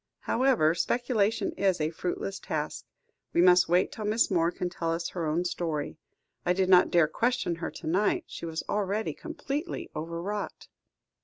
However, speculation is a fruitless task; we must wait till Miss Moore can tell us her own story. I did not dare question her to night, she was already completely overwrought."